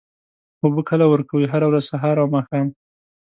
اوبه کله ورکوئ؟ هره ورځ، سهار او ماښام